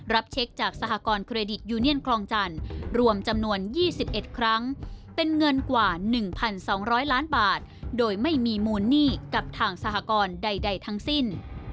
รับเช็คจากสหกรณเครดิตยูเนียนคลองจันทร์รวมจำนวน๒๑ครั้งเป็นเงินกว่า๑๒๐๐ล้านบาทโดยไม่มีมูลหนี้กับทางสหกรณ์ใดทั้งสิ้น